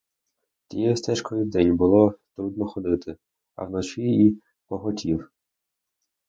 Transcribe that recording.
Тією стежкою і вдень було трудно ходити, а вночі і поготів.